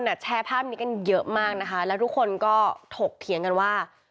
แชร์ภาพนี้กันเยอะมากนะคะแล้วทุกคนก็ถกเถียงกันว่า